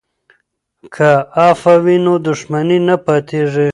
که عفوه وي نو دښمني نه پاتیږي.